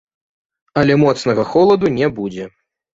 Але моцнага холаду не будзе.